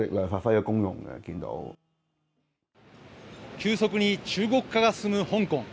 急速に中国化が進む香港。